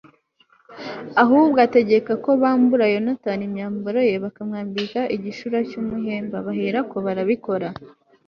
ahubwo ategeka ko bambura yonatani imyambaro ye bakamwambika igishura cy'umuhemba; bahera ko barabikora